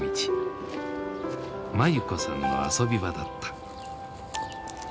眞優子さんの遊び場だった。